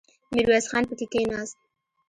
ميرويس خان پکې کېناست.